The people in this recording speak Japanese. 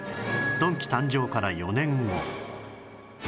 ドンキ誕生から４年後